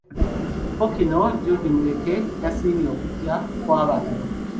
Ppookino Jude Muleke yasiimye okujja kwa bano.